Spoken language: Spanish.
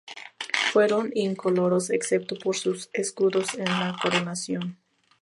Fueron incoloros excepto por sus escudos en la coronación.